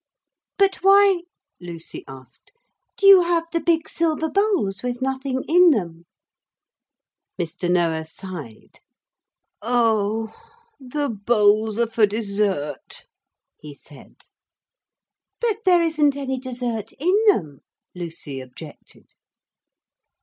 'But why,' Lucy asked, 'do you have the big silver bowls with nothing in them?' Mr. Noah sighed. 'The bowls are for dessert,' he said. 'But there isn't any dessert in them,' Lucy objected.